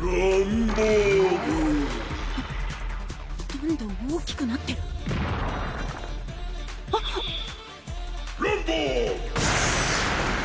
ランボーグどんどん大きくなってるランボーグ！